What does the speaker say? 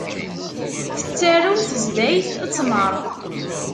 Tettarew tezdayt ttmeṛ.